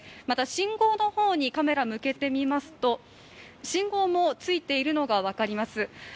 また信号の方にカメラを向けてみますと、信号もついているのが分かります。